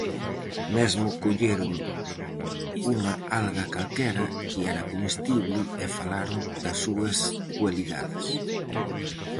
Mesmo colleron unha alga calquera, que era comestible, e falaron das súas cualidades.